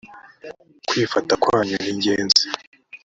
kwifata kwanyu ningenzi